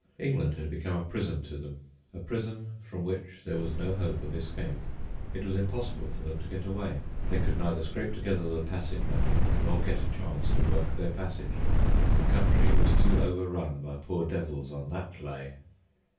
England had become a prison to them, a prison from which there was no hope of escape. It was impossible for them to get away. They could neither scrape together the passage money, nor get a chance to work their passage. The country was too overrun by poor devils on that "lay."